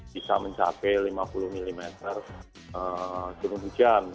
bisa mencapai lima puluh mm turun hujan